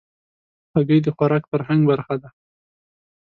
هګۍ د خوراک فرهنګ برخه ده.